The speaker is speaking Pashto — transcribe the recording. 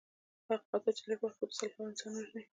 هغه قاتل چې په لږ وخت کې په سلهاوو انسانان وژني.